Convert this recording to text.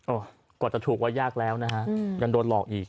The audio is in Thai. กว่าจะถูกว่ายากแล้วนะฮะยังโดนหลอกอีก